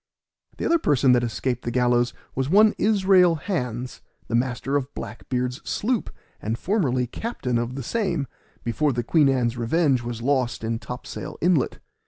The other person that escaped the gallows was one Israel Hands, the master of Black beard's sloop, and formerly captain of the same, before the Queen Ann's Revenge was lost in Topsail inlet.